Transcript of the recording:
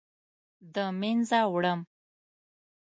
د مینځه وړم